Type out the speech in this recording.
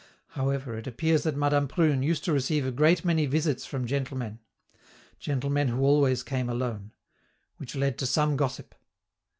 however, it appears that Madame Prune used to receive a great many visits from gentlemen gentlemen who always came alone which led to some gossip.